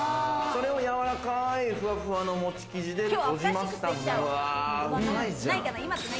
それをやわらかいふわふわのモチ生地でとじました、みたいな。